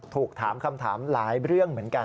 ถูกถามคำถามหลายเรื่องเหมือนกัน